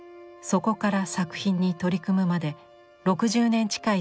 そこから作品に取り組むまで６０年近い歳月を要します。